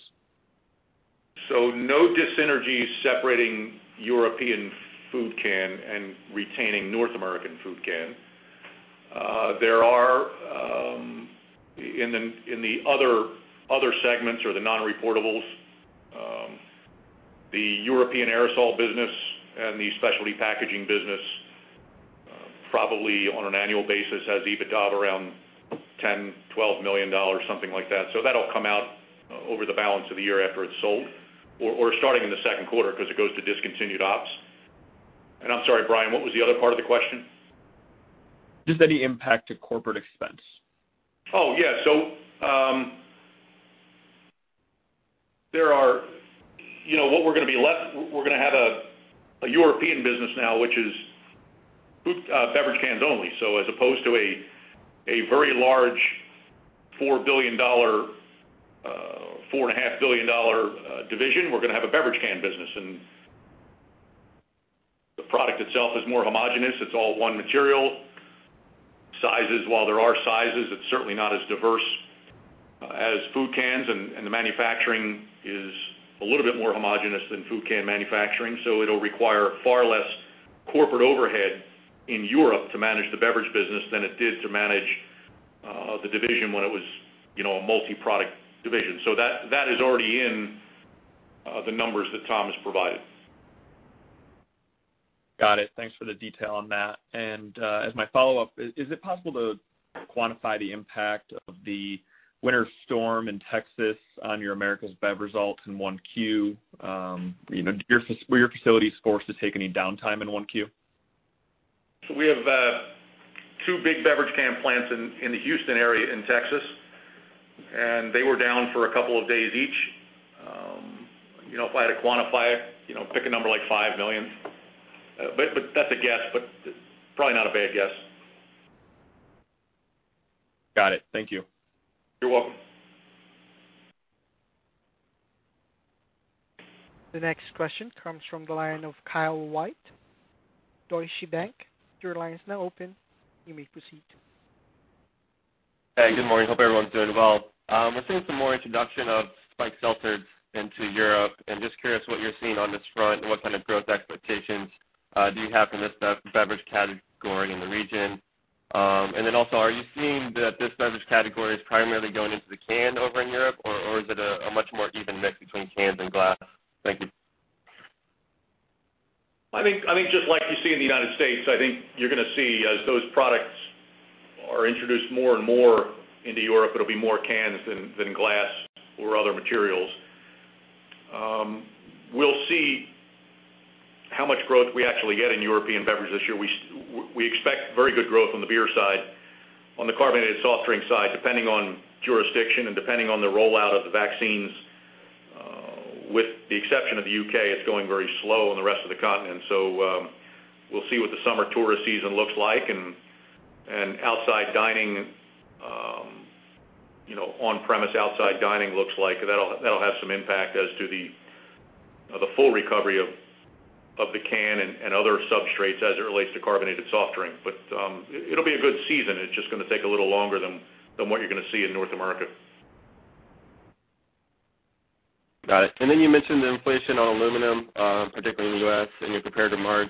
No dis-synergies separating European Food can and retaining North American Food can. There are in the other segments or the non-reportables, the European aerosol business and the specialty packaging business, probably on an annual basis, has EBITDA of around $10 million, $12 million, something like that. That'll come out over the balance of the year after it's sold, or starting in the second quarter because it goes to discontinued ops. I'm sorry, Bryan, what was the other part of the question? Is there any impact to corporate expense? Oh, yeah. We're going to have a European Beverage business now, which is beverage cans only. As opposed to a very large $4 billion-$4.5 billion division, we're going to have a beverage can business. The product itself is more homogeneous. It's all one material. Sizes, while there are sizes, it's certainly not as diverse as food cans, and the manufacturing is a little bit more homogeneous than food can manufacturing. It'll require far less corporate overhead in Europe to manage the European Beverage business than it did to manage the division when it was a multi-product division. That is already in the numbers that Tom has provided. Got it. Thanks for the detail on that. As my follow-up, is it possible to quantify the impact of the winter storm in Texas on your Americas bev results in 1Q? Were your facilities forced to take any downtime in 1Q? We have two big beverage can plants in the Houston area in Texas, and they were down for a couple of days each. If I had to quantify it, pick a number like $5 million. That's a guess, but probably not a bad guess. Got it. Thank you. You're welcome. The next question comes from the line of Kyle White, Deutsche Bank. Your line is now open. You may proceed. Hey, good morning. Hope everyone's doing well. We're seeing some more introduction of spiked seltzers into Europe, just curious what you're seeing on this front and what kind of growth expectations do you have for this beverage category in the region. Then also, are you seeing that this beverage category is primarily going into the can over in Europe, or is it a much more even mix between cans and glass? Thank you. I think just like you see in the United States, I think you're going to see as those products are introduced more and more into Europe, it'll be more cans than glass or other materials. We'll see how much growth we actually get in European Beverage this year. We expect very good growth on the beer side. On the carbonated soft drink side, depending on jurisdiction and depending on the rollout of the vaccines, with the exception of the U.K., it's going very slow in the rest of the continent. We'll see what the summer tourist season looks like and outside dining, on-premise outside dining looks like. That'll have some impact as to the full recovery of the can and other substrates as it relates to carbonated soft drink. It'll be a good season. It's just going to take a little longer than what you're going to see in North America. Got it. You mentioned the inflation on aluminum, particularly in the U.S. and compared to March,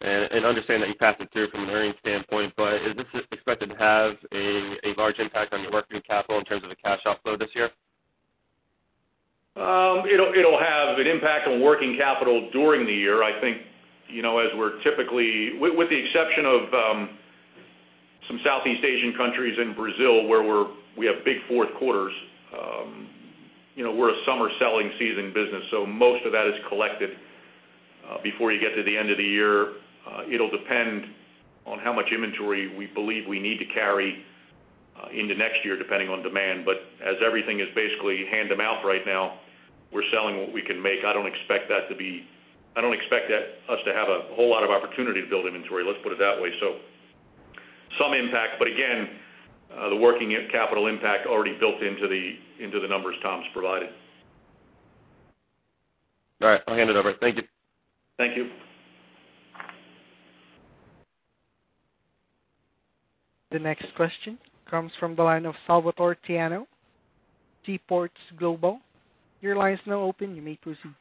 and understand that you pass it through from an earnings standpoint, but is this expected to have a large impact on your working capital in terms of the cash outflow this year? It'll have an impact on working capital during the year. I think, as we're typically, with the exception of some Southeast Asian countries and Brazil, where we have big fourth quarters, we're a summer selling season business, so most of that is collected before you get to the end of the year. It'll depend on how much inventory we believe we need to carry into next year, depending on demand. But as everything is basically hand them out right now, we're selling what we can make. I don't expect us to have a whole lot of opportunity to build inventory, let's put it that way. So some impact, but again, the working capital impact already built into the numbers Tom's provided. All right, I'll hand it over. Thank you. Thank you. The next question comes from the line of Salvatore Tiano, Seaport Global. Your line is now open. You may proceed.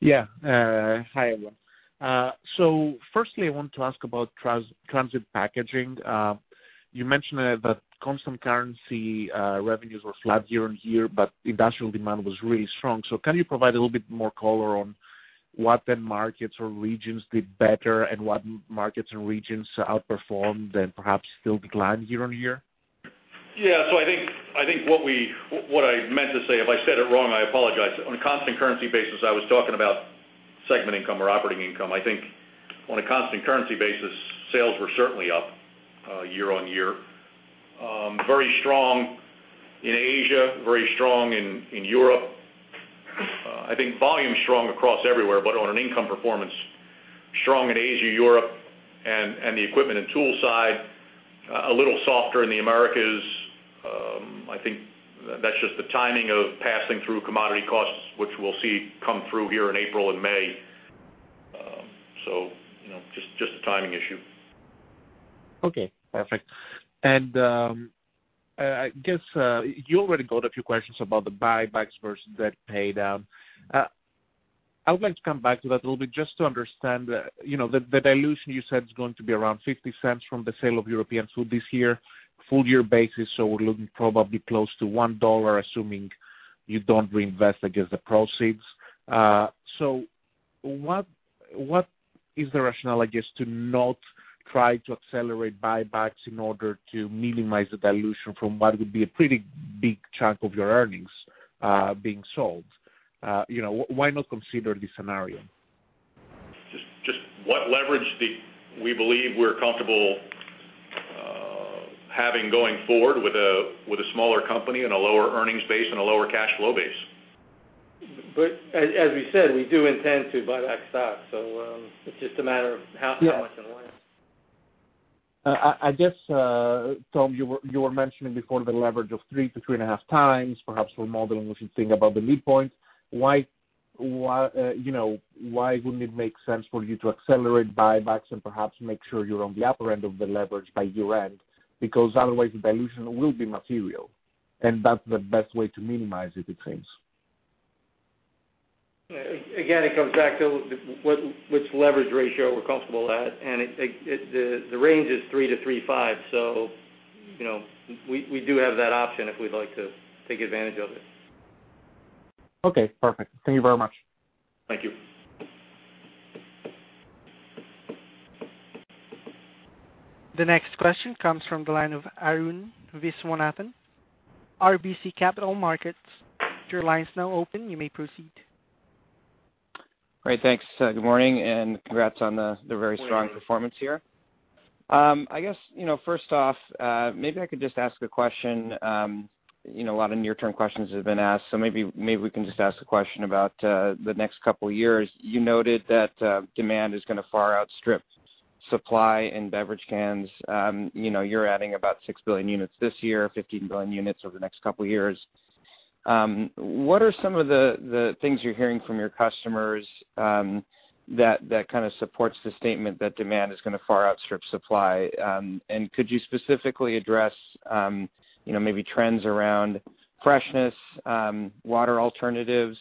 Yeah. Hi, everyone. Firstly, I want to ask about transit packaging. You mentioned that constant currency revenues were flat year-on-year, but industrial demand was really strong. Can you provide a little bit more color on what the markets or regions did better and what markets and regions outperformed and perhaps still declined year-on-year? Yeah. I think what I meant to say, if I said it wrong, I apologize. On a constant currency basis, I was talking about segment income or operating income. I think on a constant currency basis, sales were certainly up year-over-year. Very strong in Asia, very strong in Europe. I think volume is strong across everywhere, but on an income performance, strong in Asia, Europe, and the equipment and tool side, a little softer in the Americas. I think that's just the timing of passing through commodity costs, which we'll see come through here in April and May. Just a timing issue. Okay, perfect. I guess you already got a few questions about the buybacks versus debt pay down. I would like to come back to that a little bit just to understand the dilution you said is going to be around $0.50 from the sale of European Food this year, full year basis, so we're looking probably close to $1, assuming you don't reinvest against the proceeds. What is the rationale, I guess, to not try to accelerate buybacks in order to minimize the dilution from what would be a pretty big chunk of your earnings being sold? Why not consider this scenario? Just what leverage we believe we're comfortable having going forward with a smaller company and a lower earnings base and a lower cash flow base. As we said, we do intend to buy back stock. It's just a matter of how much and when. I guess, Tom, you were mentioning before the leverage of 3x-3.5x, perhaps we're modeling, we should think about the basis points. Why wouldn't it make sense for you to accelerate buybacks and perhaps make sure you're on the upper end of the leverage by year-end? Otherwise, the dilution will be material, and that's the best way to minimize it seems. Again, it comes back to which leverage ratio we're comfortable at, and the range is 3x-3.5x. We do have that option if we'd like to take advantage of it. Okay, perfect. Thank you very much. Thank you. The next question comes from the line of Arun Viswanathan, RBC Capital Markets. Your line's now open. You may proceed. Great. Thanks. Good morning, and congrats on the very strong performance here. Good morning. I guess, first off, maybe I could just ask a question. A lot of near-term questions have been asked. Maybe we can just ask a question about the next couple of years. You noted that demand is going to far outstrip supply in beverage cans. You're adding about 6 billion units this year, 15 billion units over the next couple of years. What are some of the things you're hearing from your customers that kind of supports the statement that demand is going to far outstrip supply? Could you specifically address maybe trends around freshness, water alternatives?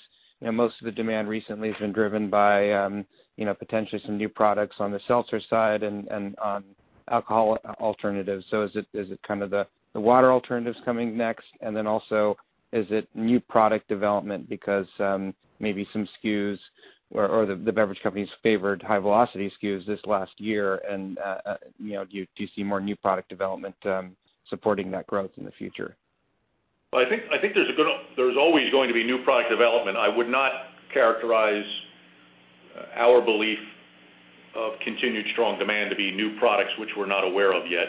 Most of the demand recently has been driven by potentially some new products on the seltzer side and on alcohol alternatives. Is it kind of the water alternatives coming next? Is it new product development because maybe some SKUs or the beverage companies favored high-velocity SKUs this last year, and do you see more new product development supporting that growth in the future? Well, I think there's always going to be new product development. I would not characterize our belief of continued strong demand to be new products which we're not aware of yet.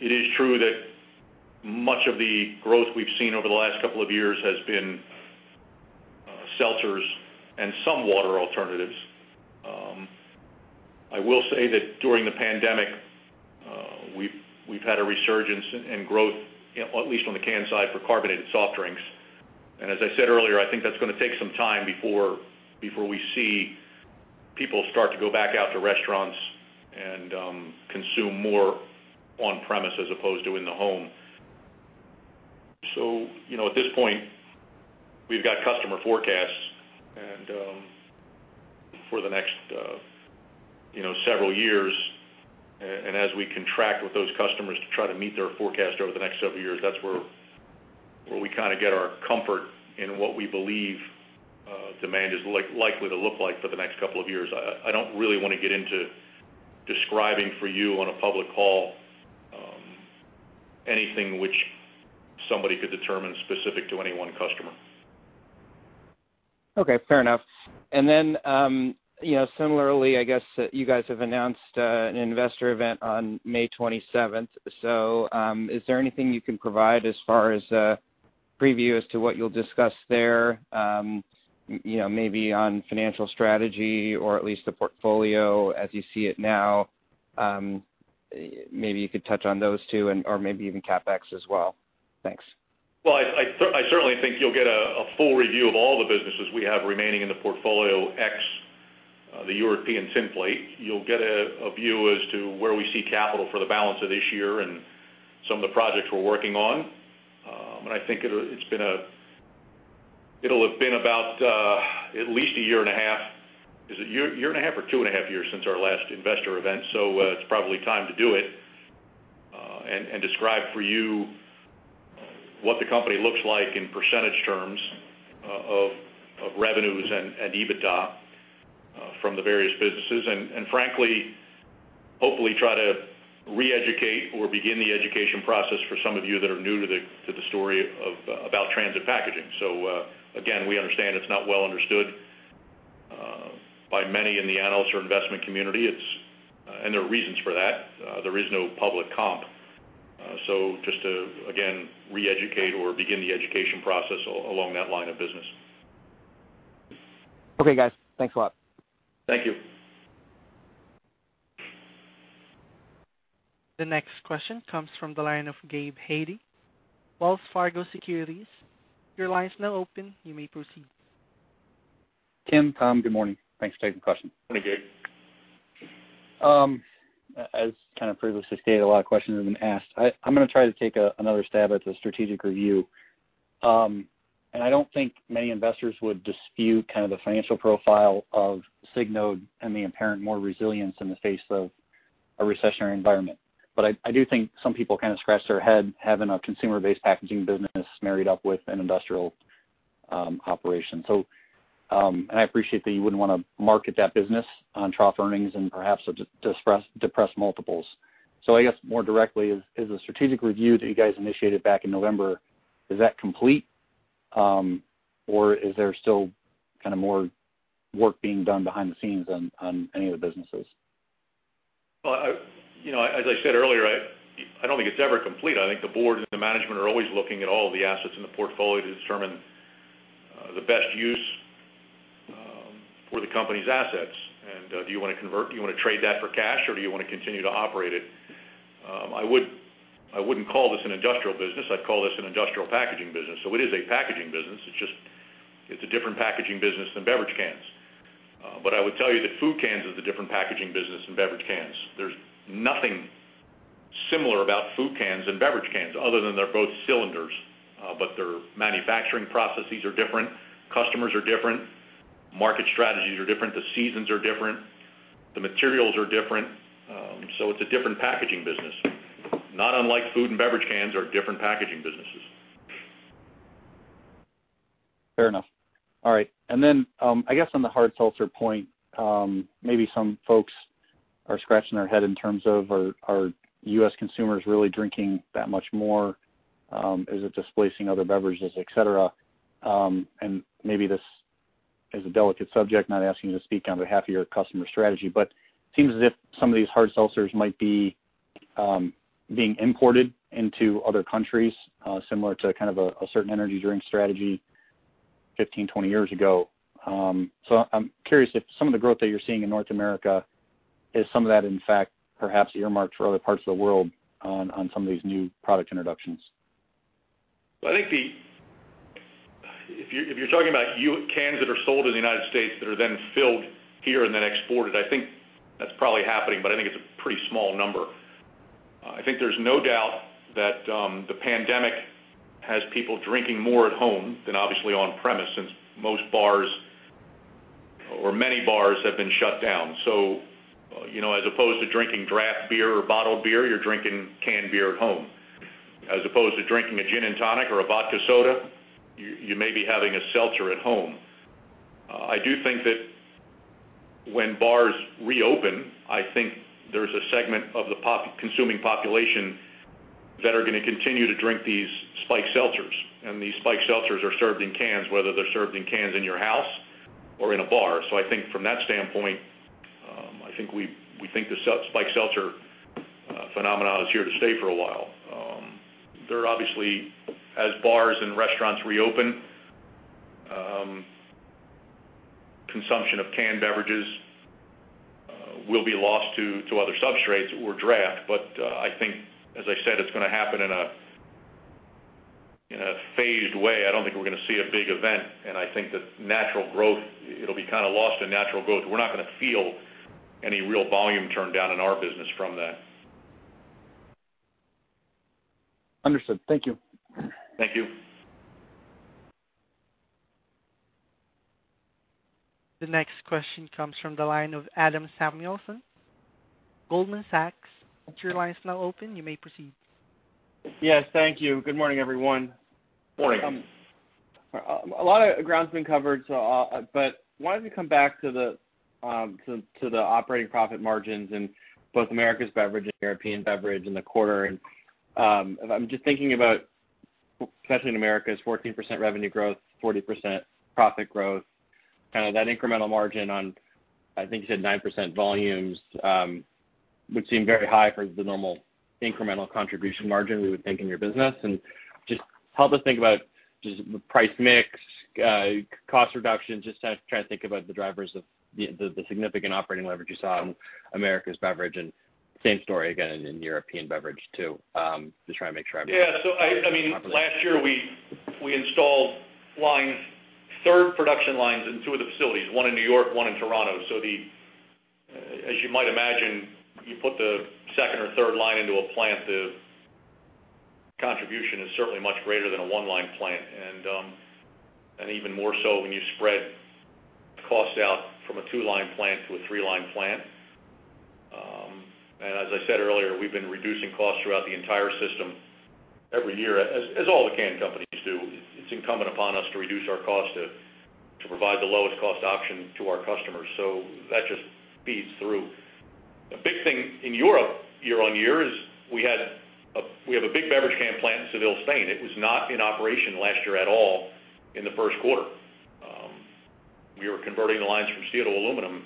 It is true that much of the growth we've seen over the last couple of years has been seltzers and some water alternatives. I will say that during the pandemic, we've had a resurgence in growth, at least on the canned side, for carbonated soft drinks. As I said earlier, I think that's going to take some time before we see people start to go back out to restaurants and consume more on-premise as opposed to in the home. At this point, we've got customer forecasts for the next several years, and as we contract with those customers to try to meet their forecast over the next several years, that's where we kind of get our comfort in what we believe demand is likely to look like for the next couple of years. I don't really want to get into describing for you on a public call anything which somebody could determine specific to any one customer. Okay, fair enough. Similarly, I guess you guys have announced an investor event on May 27th. Is there anything you can provide as far as a preview as to what you'll discuss there, maybe on financial strategy or at least the portfolio as you see it now? Maybe you could touch on those two or maybe even CapEx as well. Thanks. Well, I certainly think you'll get a full review of all the businesses we have remaining in the portfolio ex the European tinplate. You'll get a view as to where we see capital for the balance of this year and some of the projects we're working on. I think it'll have been about at least 1.5 year. Is it a 1.5 year or 2.5 years since our last investor event? It's probably time to do it, and describe for you what the company looks like in percentage terms of revenues and EBITDA from the various businesses. Frankly, hopefully try to re-educate or begin the education process for some of you that are new to the story about Transit Packaging. Again, we understand it's not well understood by many in the analyst or investment community, and there are reasons for that. There is no public comp. Just to, again, re-educate or begin the education process along that line of business. Okay, guys. Thanks a lot. Thank you. The next question comes from the line of Gabe Hajde, Wells Fargo Securities. Your line is now open. You may proceed. Tim, Tom, good morning. Thanks for taking the question. Good morning, Gabe. As kind of previously stated, a lot of questions have been asked. I'm going to try to take another stab at the strategic review. I don't think many investors would dispute kind of the financial profile of Signode and the apparent more resilience in the face of a recessionary environment. I do think some people kind of scratch their head having a consumer-based packaging business married up with an industrial operation. I appreciate that you wouldn't want to market that business on trough earnings and perhaps depressed multiples. I guess more directly is the strategic review that you guys initiated back in November, is that complete? Or is there still kind of more work being done behind the scenes on any of the businesses? Well, as I said earlier, I don't think it's ever complete. I think the board and the management are always looking at all the assets in the portfolio to determine the best use for the company's assets. Do you want to trade that for cash, or do you want to continue to operate it? I wouldn't call this an industrial business. I'd call this an industrial packaging business. So it is a packaging business. It's a different packaging business than beverage cans. But I would tell you that food cans is a different packaging business than beverage cans. There's nothing similar about food cans and beverage cans other than they're both cylinders. But their manufacturing processes are different, customers are different, market strategies are different, the seasons are different, the materials are different. So it's a different packaging business, not unlike food and beverage cans are different packaging businesses. Fair enough. All right. I guess on the hard seltzer point, maybe some folks are scratching their head in terms of are U.S. consumers really drinking that much more? Is it displacing other beverages, et cetera? Maybe this is a delicate subject, not asking you to speak on behalf of your customer strategy. It seems as if some of these hard seltzers might be being imported into other countries, similar to a certain energy drink strategy 15, 20 years ago. I'm curious if some of the growth that you're seeing in North America is some of that, in fact, perhaps earmarked for other parts of the world on some of these new product introductions. If you're talking about cans that are sold in the U.S. that are then filled here and then exported, I think that's probably happening, but I think it's a pretty small number. I think there's no doubt that the pandemic has people drinking more at home than obviously on premise, since most bars or many bars have been shut down. As opposed to drinking draft beer or bottled beer, you're drinking canned beer at home. As opposed to drinking a gin and tonic or a vodka soda, you may be having a seltzer at home. I do think that when bars reopen, I think there's a segment of the consuming population that are going to continue to drink these spiked seltzers. These spiked seltzers are served in cans, whether they're served in cans in your house or in a bar. I think from that standpoint, we think the spiked seltzer phenomenon is here to stay for a while. Obviously, as bars and restaurants reopen, consumption of canned beverages will be lost to other substrates or draft. I think, as I said, it's going to happen in a phased way. I don't think we're going to see a big event, and I think that it'll be kind of lost in natural growth. We're not going to feel any real volume turndown in our business from that. Understood. Thank you. Thank you. The next question comes from the line of Adam Samuelson, Goldman Sachs. Your line is now open. You may proceed. Yes, thank you. Good morning, everyone. Morning. A lot of ground's been covered, but wanted to come back to the operating profit margins in both Americas Beverage and European Beverage in the quarter. I'm just thinking about, especially in Americas, 14% revenue growth, 40% profit growth. Kind of that incremental margin on, I think you said 9% volumes, would seem very high for the normal incremental contribution margin we would think in your business. Just help us think about just the price mix, cost reductions, just trying to think about the drivers of the significant operating leverage you saw in Americas Beverage and same story again in European Beverage too. Yeah. Last year, we installed third production lines in two of the facilities, one in N.Y., one in Toronto. As you might imagine, you put the second or third line into a plant, the contribution is certainly much greater than a one-line plant. Even more so when you spread costs out from a two-line plant to a three-line plant. As I said earlier, we've been reducing costs throughout the entire system every year, as all the can companies do. It's incumbent upon us to reduce our cost to provide the lowest cost option to our customers. That just feeds through. A big thing in Europe year-on-year is we have a big beverage can plant in Seville, Spain. It was not in operation last year at all in the first quarter. We were converting the lines from steel to aluminum.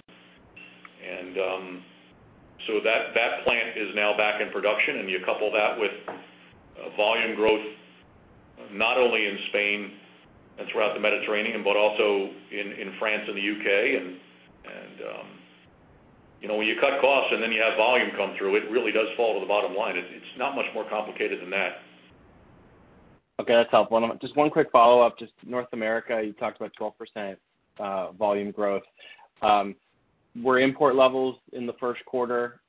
That plant is now back in production, and you couple that with volume growth, not only in Spain and throughout the Mediterranean, but also in France and the U.K. When you cut costs and then you have volume come through, it really does fall to the bottom line. It's not much more complicated than that. Okay, that's helpful. Just one quick follow-up. Just North America, you talked about 12% volume growth. Were import levels in the first quarter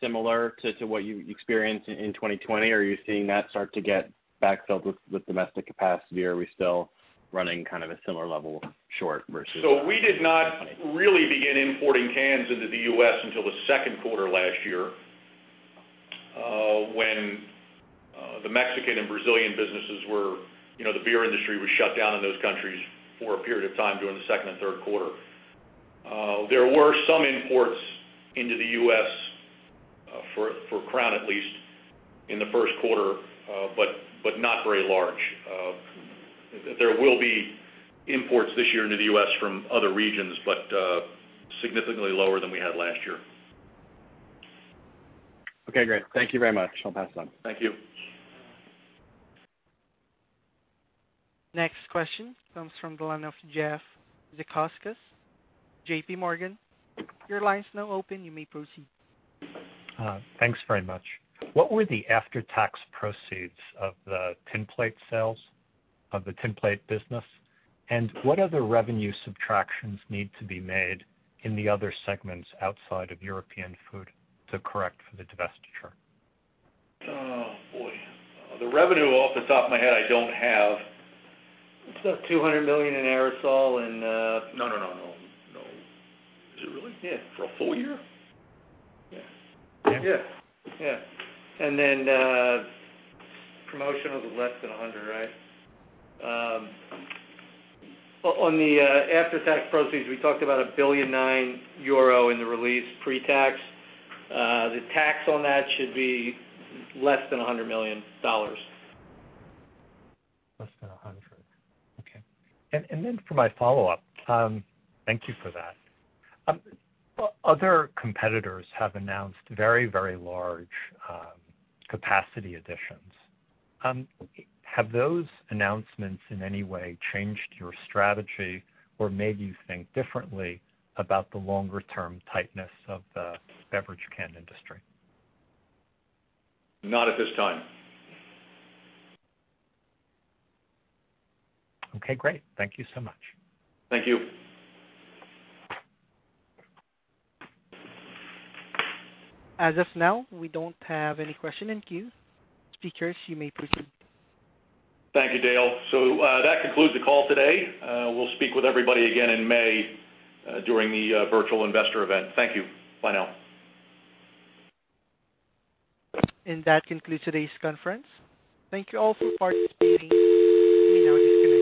similar to what you experienced in 2020? Are you seeing that start to get back filled with domestic capacity? Are we still running kind of a similar level short versus? We did not really begin importing cans into the U.S. until the second quarter last year, when the Mexican and Brazilian businesses the beer industry was shut down in those countries for a period of time during the second and third quarter. There were some imports into the U.S., for Crown at least, in the first quarter, not very large. There will be imports this year into the U.S. from other regions, significantly lower than we had last year. Okay, great. Thank you very much. I'll pass it on. Thank you. Next question comes from the line of Jeff Zekauskas, JPMorgan. Your line is now open. You may proceed. Thanks very much. What were the after-tax proceeds of the tinplate sales of the tinplate business? What other revenue subtractions need to be made in the other segments outside of European Food to correct for the divestiture? Oh, boy. The revenue off the top of my head, I don't have. It's about $200 million in aerosol and... No, no. Is it really? Yeah. For a full year? Yeah. Yeah. Then promotional was less than $100 million, right? On the after-tax proceeds, we talked about 1.9 billion in the release pre-tax. The tax on that should be less than $100 million. Less than $100 million. Okay. For my follow-up, thank you for that. Other competitors have announced very large capacity additions. Have those announcements in any way changed your strategy or made you think differently about the longer-term tightness of the beverage can industry? Not at this time. Okay, great. Thank you so much. Thank you. As of now, we don't have any question in queue. Speakers, you may proceed. Thank you, Dale. That concludes the call today. We'll speak with everybody again in May during the virtual investor event. Thank you. Bye now. That concludes today's conference. Thank you all for participating. You may now disconnect.